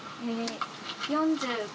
４５